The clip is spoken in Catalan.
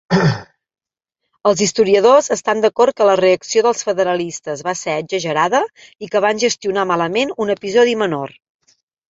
Els historiadors estan d'acord que la reacció dels federalistes va ser exagerada i que van gestionar malament un episodi menor.